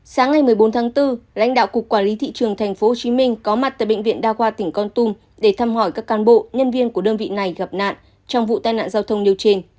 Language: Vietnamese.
sáng ngày một mươi bốn tháng bốn lãnh đạo cục quản lý thị trường tp hcm có mặt tại bệnh viện đa khoa tỉnh con tum để thăm hỏi các cán bộ nhân viên của đơn vị này gặp nạn trong vụ tai nạn giao thông nhiều trên